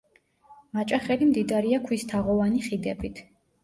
მაჭახელი მდიდარია ქვისთაღოვანი ხიდებით.